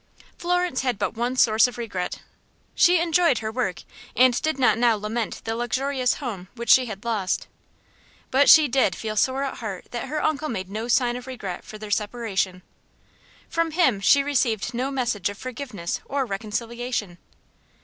Florence had but one source of regret. She enjoyed her work, and did not now lament the luxurious home which she had lost. But she did feel sore at heart that her uncle made no sign of regret for their separation. From him she received no message of forgiveness or reconciliation.